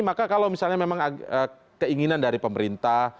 maka kalau misalnya memang keinginan dari pemerintah